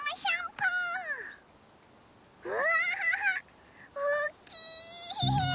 うわおっきい！